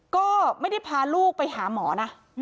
ก็ไม่ได้พาลูกไปหาหมอนะ